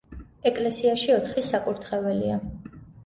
ეკლესიაში ოთხი საკურთხეველია.